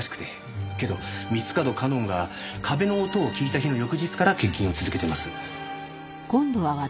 けど三ツ門夏音が壁の音を聞いた日の翌日から欠勤を続けています。